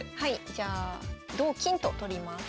じゃあ同金と取ります。